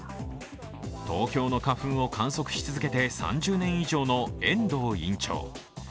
東京の花粉を観測し続けて３０年以上の遠藤院長。